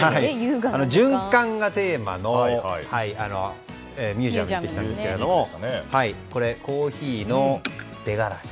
循環がテーマのミュージアムに行ってきたんですけどもこれ、コーヒーの出がらし。